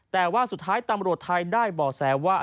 แต่ว่าสุดท้ายตำรวจไทยได้บ่อแสว่า